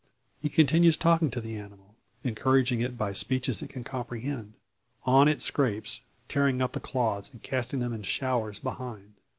He continues talking to the animal, encouraging it by speeches it can comprehend. On it scrapes, tearing up the clods, and casting them in showers behind.